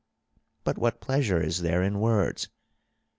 But what pleasure is there in words?